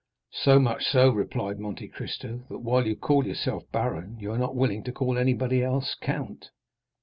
"So much so," replied Monte Cristo, "that while you call yourself baron you are not willing to call anybody else count."